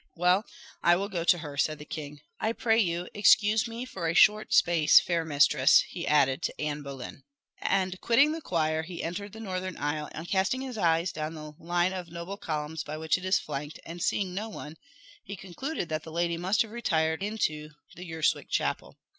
"Well, I will go to her," said the king. "I pray you, excuse me for a short space, fair mistress," he added to Anne Boleyn. And quitting the choir, he entered the northern aisle, and casting his eyes down the line of noble columns by which it is flanked, and seeing no one, he concluded that the lady must have retired into the Urswick Chapel.